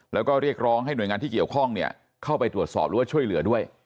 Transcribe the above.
แล้วก็เรียกร้องให้หน่วยงานที่เกี่ยวข้องเข้าไปตรวจสอบหรือว่าช่วยเหลือด้วย